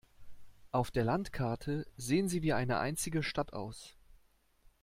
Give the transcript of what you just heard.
Auf der Landkarte sehen sie wie eine einzige Stadt aus.